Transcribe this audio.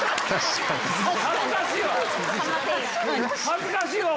恥ずかしいわ！